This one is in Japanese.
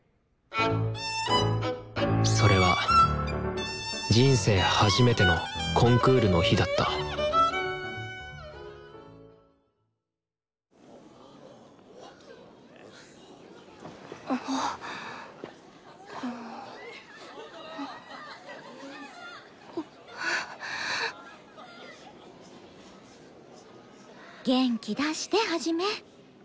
それは人生初めてのコンクールの日だった元気出してハジメ。